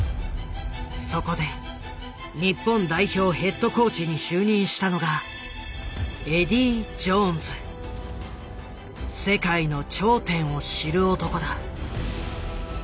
そこで日本代表ヘッドコーチに就任したのが世界の頂点を知る男だ。